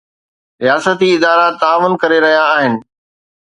رياستي ادارا تعاون ڪري رهيا آهن.